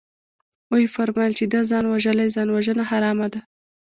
ويې فرمايل چې ده ځان وژلى ځانوژنه حرامه ده.